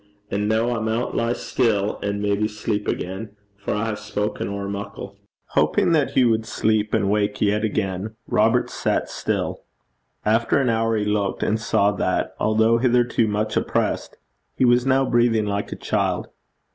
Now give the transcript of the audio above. An' noo, I maun lie still, an' maybe sleep again, for I hae spoken ower muckle.' Hoping that he would sleep and wake yet again, Robert sat still. After an hour, he looked, and saw that, although hitherto much oppressed, he was now breathing like a child.